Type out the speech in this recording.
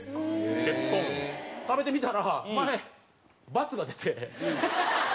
食べてみたら前バツが出て。